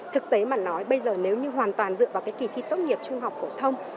thực tế mà nói bây giờ nếu như hoàn toàn dựa vào cái kỳ thi tốt nghiệp trung học phổ thông